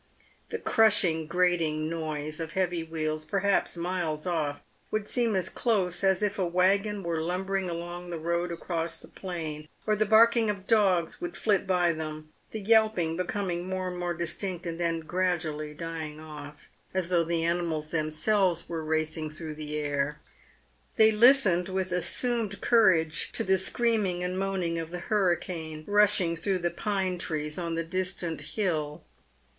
The crushing, grating noise of heavy wheels — perhaps miles off — would seem as close as if a waggon were lum bering along the road across the plain, or the barking of dogs would flit by them, the yelping becoming more and more distinct and then gradually dying off, as though the animals themselves were racing through the air. They listened with assumed courage to the screaming and moaning of the hurricane rushing through the pine trees on the distant hill.